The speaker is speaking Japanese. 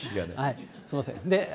すみません。